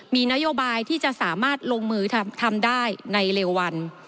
มีนโยบายที่จะสามารถลงมือทำได้ในเร็ววัน